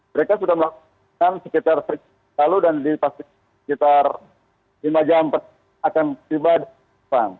mereka sudah melakukan sekitar setahun lalu dan di pasir sekitar lima jam akan tiba di kupang